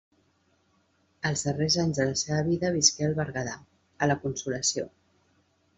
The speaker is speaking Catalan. Els darrers anys de la seva vida visqué al Berguedà, a La Consolació.